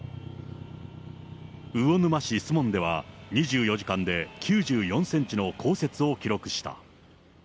魚沼市守門では、２４時間で９４センチの降雪を記録した。